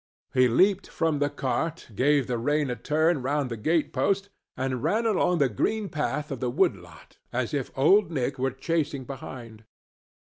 He leaped from the cart, gave the rein a turn round the gate post, and ran along the green path of the wood lot as if Old Nick were chasing behind.